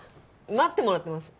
待ってもらってます